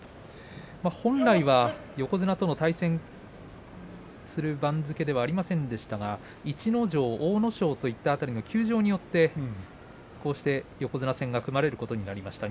本来は横綱との対戦をする番付ではありませんでしたが逸ノ城、阿武咲といった辺りが休場によってこうして横綱戦が組まれることになりました。